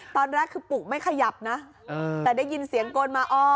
ตอนแรกคือปุกไม่ขยับนะแต่ได้ยินเสียงโกนมาอ้อ